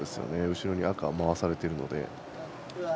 後ろに赤を回されているので。